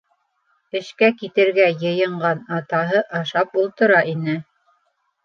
Эшкә китергә йыйынған атаһы ашап ултыра ине.